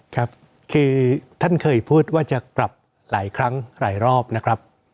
ครับคือท่านเคยพูดว่าจะปรับหลายครั้งหลายรอบนะครับ